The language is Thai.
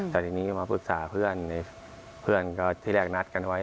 แต่ทีนี้ก็มาปรึกษาเพื่อนเพื่อนก็ที่แรกนัดกันไว้